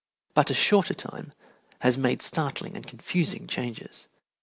But a shorter time has made startling and confusing changes.